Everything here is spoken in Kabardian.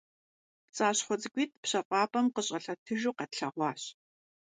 ПцӀащхъуэ цӀыкӀуитӏ пщэфӀапӀэм къыщӀэлъэтыжу къэтлъэгъуащ.